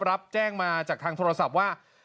รับแจ้งมาจากทางโทรศัพท์ว่า